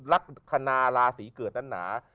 ลักษณะราศีเกิดนั้นหนา